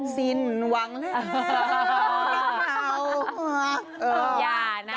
สินหวังแล้วรักเรา